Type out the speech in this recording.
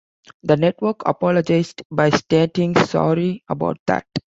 The network apologized by stating Sorry About That.